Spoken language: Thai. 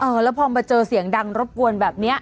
แล้วพอมาเจอเสียงดังรบกวนแบบนี้